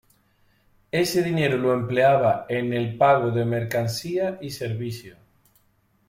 Ese dinero lo empleaba en el pago de mercancías y servicios.